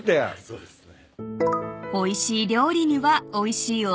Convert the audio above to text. そうですね。